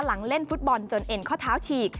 เล่นฟุตบอลจนเอ็นข้อเท้าฉีก